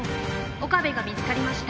岡部が見つかりました。